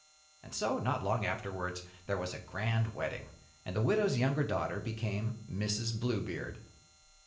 And so, not long afterwards, there was a grand wedding, and the widow's younger daughter became Mrs. Bluebeard.